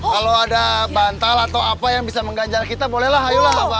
kalau ada bantal atau apa yang bisa mengganjal kita bolehlah ayolah bapak